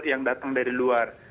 yang datang dari luar